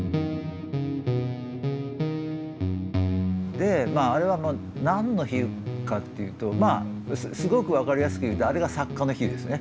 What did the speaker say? でまああれは何の比喩かっていうとまあすごく分かりやすく言うとあれが作家の比喩ですね。